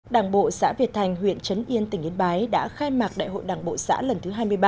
đảng bộ xã việt thành huyện trấn yên tỉnh yên bái đã khai mạc đại hội đảng bộ xã lần thứ hai mươi ba